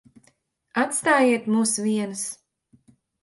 Atstājiet mūs vienus.